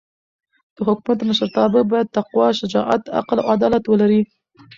د حکومت مشرتابه باید تقوا، شجاعت، عقل او عدالت ولري.